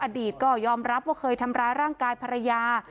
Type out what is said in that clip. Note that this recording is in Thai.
อดีตก็ยอมรับว่าเคยทำร้ายร่างกายภรรยา